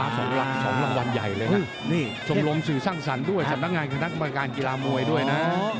สองรางวัลใหญ่เลยนะนี่ชมรมสื่อสร้างสรรค์ด้วยสำนักงานคณะกรรมการกีฬามวยด้วยนะ